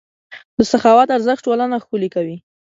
د سخاوت ارزښت ټولنه ښکلې کوي.